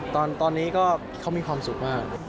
ตอนนี้ก็เขามีความสุขมาก